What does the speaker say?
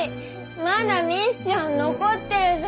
まだミッション残ってるぞ。